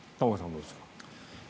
どうですか。